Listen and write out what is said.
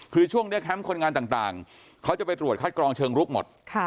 คือช่วงนี้แคมป์คนงานต่างเขาจะไปตรวจคัดกรองเชิงลุกหมด